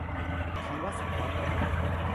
คำว่า "สก๊อย"